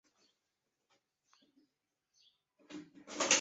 这两种表现的方法在后期的演歌中是不可或缺的。